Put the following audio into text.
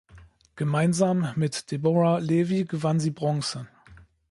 Gemeinsam mit Deborah Levi gewann sie Bronze.